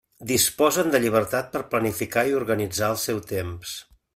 Disposen de llibertat per planificar i organitzar el seu temps.